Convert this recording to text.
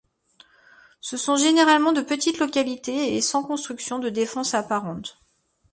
Ce sont généralement de petites localités, et sans construction de défense apparente.